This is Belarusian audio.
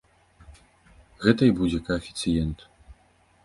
Гэта і будзе каэфіцыент.